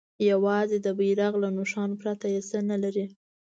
یوازې د بیرغ له نښان پرته یې څه نه لري.